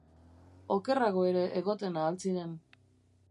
Okerrago ere egoten ahal ziren.